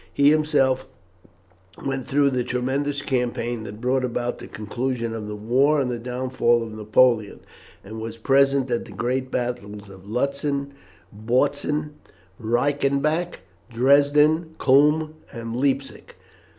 He himself went through the tremendous campaign that brought about the conclusion of the war and the downfall of Napoleon, and was present at the great battles of Lutzen, Bautzen, Reichenbach, Dresden, Culm, and Leipsic.